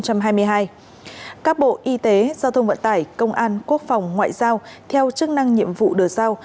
các bộ y tế giao thông vận tải công an quốc phòng ngoại giao theo chức năng nhiệm vụ được giao